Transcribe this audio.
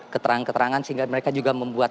keterangan keterangan sehingga mereka juga membuat